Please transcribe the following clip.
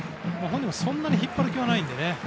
本人はそんなに引っ張る気はないのでね。